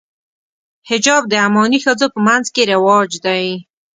حجاب د عماني ښځو په منځ کې رواج دی.